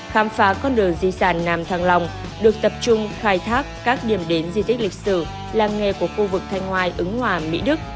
khám phá con đường di sản nam thăng long được tập trung khai thác các điểm đến di tích lịch sử làng nghề của khu vực thanh hoài ứng hòa mỹ đức